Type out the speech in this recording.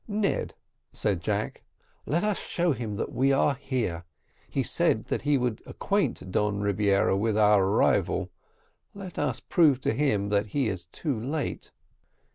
"Ned," said Jack, "let us show him that we are here. He said that he would acquaint Don Rebiera with our arrival let us prove to him that he is too late."